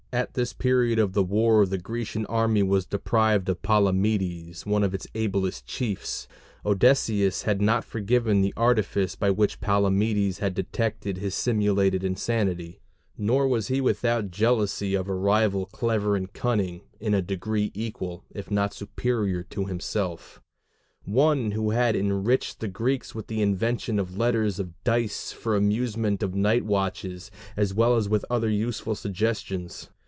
At this period of the war the Grecian army was deprived of Palamedes, one of its ablest chiefs. Odysseus had not forgiven the artifice by which Palamedes had detected his simulated insanity, nor was he without jealousy of a rival clever and cunning in a degree equal, if not superior, to himself; one who had enriched the Greeks with the invention of letters of dice for amusement of night watches as well as with other useful suggestions.